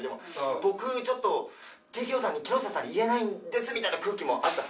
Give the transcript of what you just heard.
僕ちょっとＴＫＯさんに木下さんに言えないんですみたいな空気もあった。